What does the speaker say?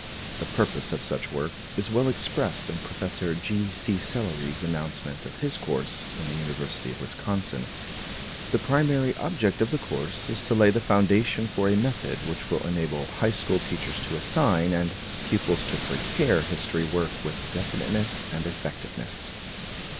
The purpose of such work is well expressed in Professor G. C. Sellery's announcement of his course in the University of Wisconsin: "The primary object of the course is to lay the foundation for a method which will enable high school teachers to assign and pupils to prepare history work with definiteness and effectiveness."